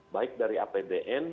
baik dari apbn